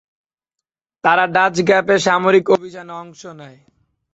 তারা ডাচ গ্যাপে সামরিক অভিযানে অংশ নেয়।